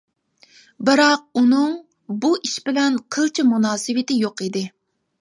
بىراق ئۇنىڭ بۇ ئىش بىلەن قىلچە مۇناسىۋىتى يوق ئىدى.